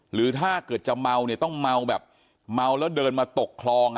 หรือถ้าเกิดจะเมาเนี่ยต้องเมาแบบเมาแล้วเดินมาตกคลอง